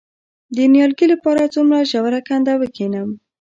د نیالګي لپاره څومره ژوره کنده وکینم؟